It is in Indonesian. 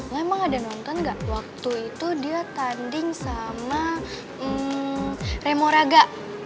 lo emang ada nonton gak waktu itu dia tanding sama remoraga